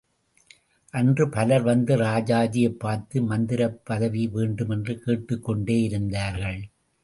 அன்று பலர் வந்து ராஜாஜியைப் பார்த்து மந்திரிப் பதவி வேண்டும் என்று கேட்டுக் கொண்டேயிருந்தார்கள்.